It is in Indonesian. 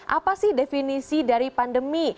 apa sih definisi dari pandemi